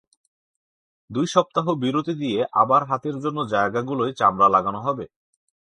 দুই সপ্তাহ বিরতি দিয়ে আবার হাতের অন্য জায়গাগুলোয় চামড়া লাগানো হবে।